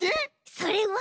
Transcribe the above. それは。